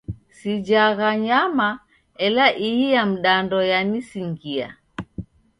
Sijagha nyama ela ihi ya mdando yanisingia.